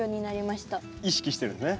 意識してるね。